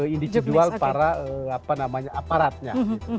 indisiidual para aparatnya